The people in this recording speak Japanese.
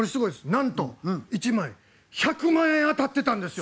なんと１枚１００万円当たってたんですよ。